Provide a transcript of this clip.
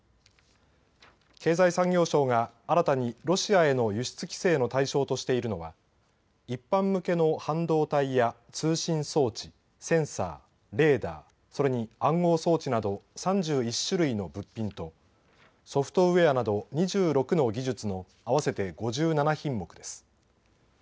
経済産業省が新たにロシアへの輸出規制の対象としているのは一般向けの半導体や通信装置、センサー、レーダー、それに暗号装置など３１種類の物品とソフトウエアなど２６の技術の合わせて５７品目です。